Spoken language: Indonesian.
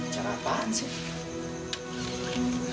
cara apaan sih